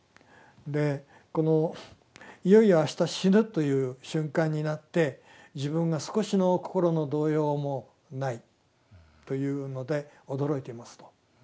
でこのいよいよあした死ぬという瞬間になって自分が少しのこころの動揺もないというので驚いていますと。